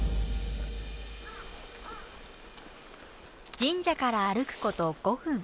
神社から歩くこと５分。